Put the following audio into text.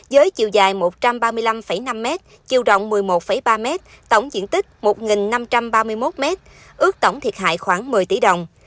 với chiều dài một trăm ba mươi năm năm m chiều rộng một mươi một ba m tổng diện tích một năm trăm ba mươi một m ước tổng thiệt hại khoảng một mươi tỷ đồng